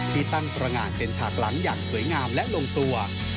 ที่ตั้งตรงานเป็นฉากหลังอย่างสวยงามและลงตัว